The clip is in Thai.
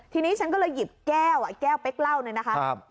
ทีนี้ฉันก็เลยหยิบแก้วแก้วเป๊กเหล้าเนี่ยนะคะ